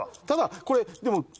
ただこれでも。